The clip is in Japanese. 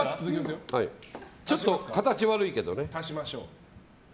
ちょっと形、悪いけどね。